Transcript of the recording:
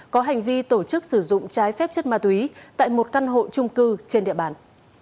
có hành vi tổ chức sử dụng trái phép chất ma túy tại một căn hộ trung cư trên địa bàn